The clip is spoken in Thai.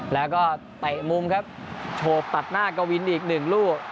แล้วก็เตะมุมครับโชว์ตัดหน้ากวินอีกหนึ่งลูก